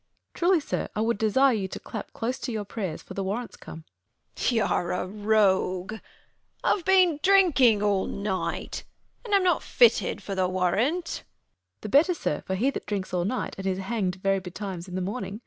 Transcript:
Truly, sir, I would desire you to clap close to Your praj ers, for the warrant's come. Bern. Y'are a rogue ! Pve been drinking all night. And am not fitted for the warrant. Fool. The better, sir; for he that drinks all night, And is hang'd very betimes in the morning.